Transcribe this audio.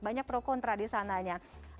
banyak pro kontra di sananya